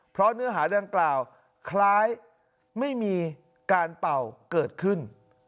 เพราะเนื้อหาดังกล่าวคล้ายไม่มีการเป่าเกิดขึ้น